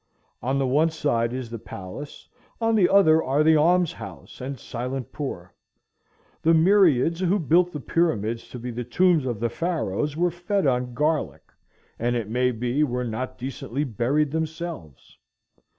On the one side is the palace, on the other are the almshouse and "silent poor." The myriads who built the pyramids to be the tombs of the Pharaohs were fed on garlic, and it may be were not decently buried themselves.